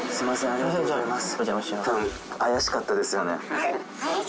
ありがとうございます。